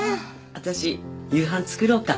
私夕飯作ろうか？